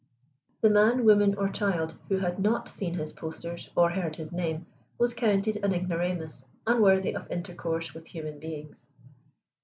The man, woman, or child who had not seen his posters, or heard his name, was counted an ignoramus unworthy of intercourse with human beings.